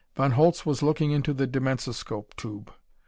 Von Holtz was looking into the dimensoscope tube.